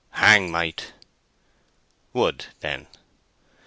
"Hang might!" "Would, then."